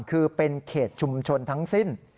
คือเป็นเขตชุมชนทั้งสิ้น